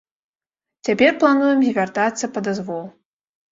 Цяпер плануем звяртацца па дазвол.